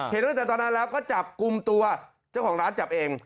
เห็นตั้งแต่ตอนนั้นแล้วก็จับกลุ่มตัวเจ้าของร้านจับเอง